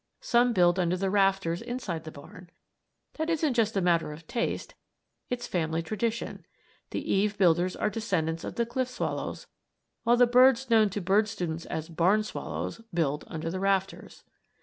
Some build under the rafters inside the barn. That isn't just a matter of taste; it's family tradition. The eave builders are descendants of the cliff swallows, while the birds known to bird students as "barn" swallows build under the rafters.